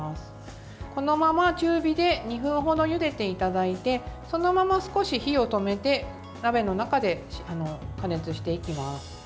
このまま中火で２分程ゆでていただいてそのまま少し火を止めて鍋の中で加熱していきます。